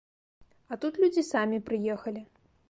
А тут людзі самі прыехалі.